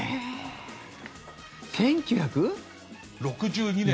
１９６２年。